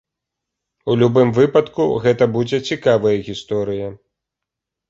У любым выпадку, гэта будзе цікавая гісторыя.